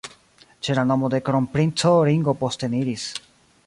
Ĉe la nomo de kronprinco Ringo posteniris.